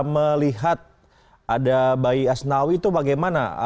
melihat ada bayi asnawi itu bagaimana